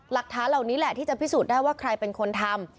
หลักฐานเหล่านี้แหละที่จะพิสูจน์ได้ว่าใครเป็นคนทำ